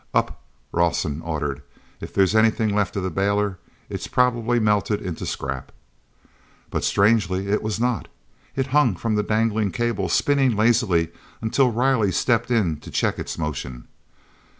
"Up," Rawson ordered, "if there's anything left of the bailer. It's probably melted into scrap." But strangely it was not. It hung from the dangling cable spinning lazily until Riley stepped in to check its motion.